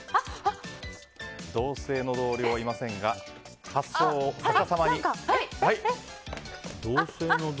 同姓の同僚はいませんが発想を逆さまに。